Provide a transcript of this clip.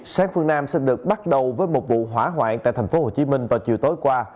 sáng phương nam sẽ được bắt đầu với một vụ hỏa hoạn tại tp hcm vào chiều tối qua